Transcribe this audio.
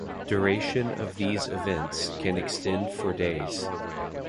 Duration of these events can extend for days.